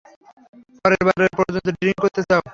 পরেরবার পযন্ত ড্রিংক করতে চাও?